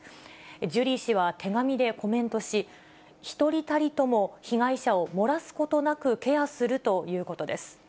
ジュリー氏は手紙でコメントし、１人たりとも被害者をもらすことなくケアするということです。